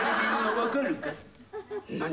分かるか！？